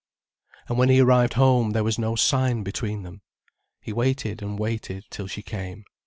And when he arrived home, there was no sign between them. He waited and waited till she came.